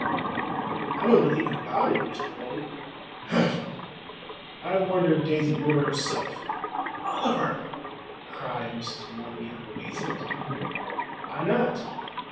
"I know nothing about it, Mr. Morley." "Humph! I wonder if Daisy wrote it herself." "Oliver!" cried Mrs. Morley in amazement. "Why not?